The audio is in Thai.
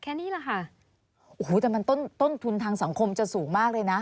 โอ้โฮแต่มันต้นทุนทางสังคมจะสูงมากเลยนะ